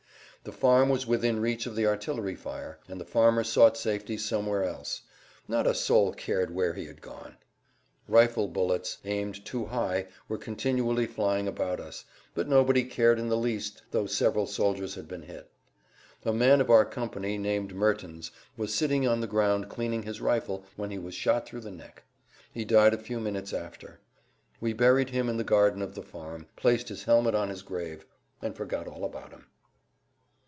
The farm was within reach of the artillery fire, and the farmer sought safety somewhere else. Not a soul cared where he had gone. [Pg 127]Rifle bullets, aimed too high, were continually flying about us, but nobody cared in the least though several soldiers had been hit. A man of our company, named Mertens, was sitting on the ground cleaning his rifle when he was shot through the neck; he died a few minutes after. We buried him in the garden of the farm, placed his helmet on his grave, and forgot all about him.